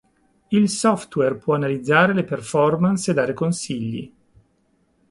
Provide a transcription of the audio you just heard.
Il software può analizzare le performance e dare consigli.